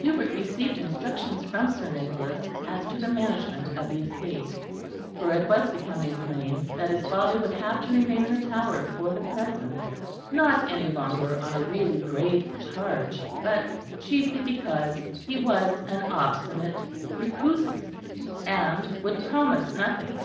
Hubert received instructions from Sir Nicholas as to the management of the estate, for it was becoming plain that his father would have to remain in the Tower for the present; not any longer on a really grave charge, but chiefly because he was an obstinate recusant and would promise nothing.